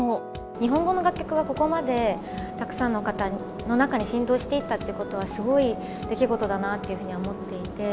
日本語の楽曲がここまでたくさんの方の中に浸透していったっていうことは、すごい出来事だなっていうふうに思っていて。